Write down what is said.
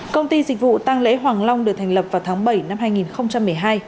công ty dịch vụ tăng lễ hoàng long được thành lập vào tháng bảy năm hai nghìn một mươi hai